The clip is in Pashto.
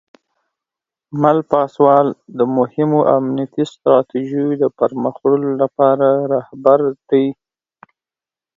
مل پاسوال د مهمو امنیتي ستراتیژیو د پرمخ وړلو لپاره رهبر دی.